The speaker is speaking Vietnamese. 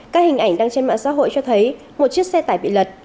các hình ảnh đăng trên mạng xã hội cho thấy một chiếc xe tải bị lật